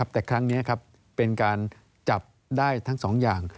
แต่ครั้งนี้เป็นการจับได้ทั้งสองอย่าง